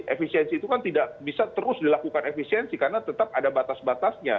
efisiensi itu kan tidak bisa terus dilakukan efisiensi karena tetap ada batas batasnya